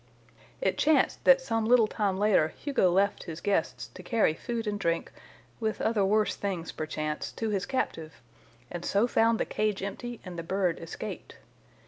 "It chanced that some little time later Hugo left his guests to carry food and drink—with other worse things, perchance—to his captive, and so found the cage empty and the bird escaped.